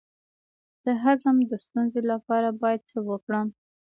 د هضم د ستونزې لپاره باید څه وکړم؟